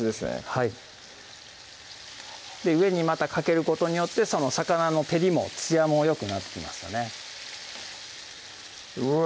はい上にまたかけることによって魚の照りもつやもよくなってきますよねうわ